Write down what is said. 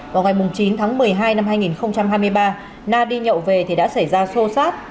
vào ngày chín tháng một mươi hai năm hai nghìn hai mươi ba na đi nhậu về thì đã xảy ra sô sát